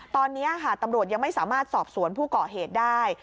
ตอนนี้ค่ะตำรวจยังไม่สามารถสอบสวนผู้ก่อเหตุได้